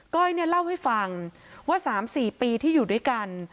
้อยเนี่ยเล่าให้ฟังว่า๓๔ปีที่อยู่ด้วยกัน